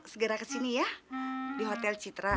segera kesini ya di hotel citra